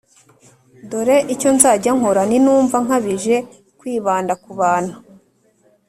Dore icyo nzajya nkora ninumva nkabije kwibanda ku bantu